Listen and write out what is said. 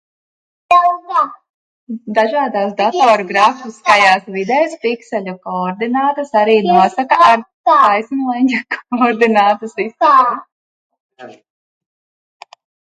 Dažādās datoru grafiskajās vidēs, pikseļu koordinātas arī nosaka ar taisnleņķa koordinātu sistēmu.